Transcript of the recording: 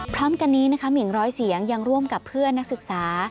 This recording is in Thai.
พร้อมกันนี้นะคะหมิ่งร้อยเสียงยังร่วมกับเพื่อนนักศึกษา